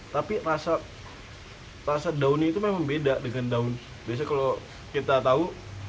tapi rasa daunnya itu memang beda dengan daun biasanya kalau kita tahu